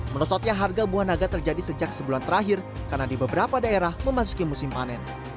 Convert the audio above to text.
merosotnya harga buah naga terjadi sejak sebulan terakhir karena di beberapa daerah memasuki musim panen